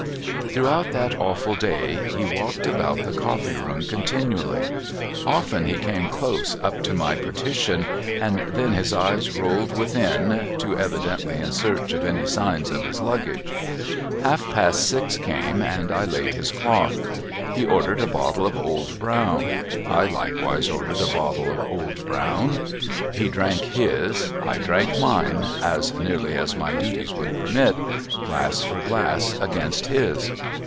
Throughout that awful day he walked about the Coffee room continually. Often he came close up to my partition, and then his eye rolled within, too evidently in search of any signs of his Luggage. Half past six came, and I laid his cloth. He ordered a bottle of Old Brown. I likewise ordered a bottle of Old Brown. He drank his. I drank mine (as nearly as my duties would permit) glass for glass against his.